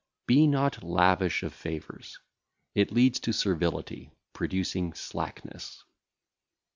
Be not lavish of favours; it leadeth to servility (?), producing slackness.